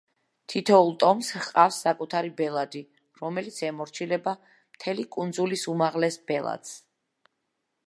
თითოეულ ტომს ჰყავს საკუთარი ბელადი, რომელიც ემორჩილება მთელი კუნძულის უმაღლეს ბელადს.